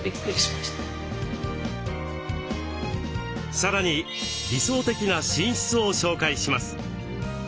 さらに理想的な寝室を紹介します。